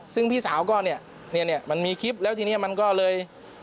ซึ่งพี่สาวก็เนี่ยมันมีคลิปแล้วทีนี้มันก็เลย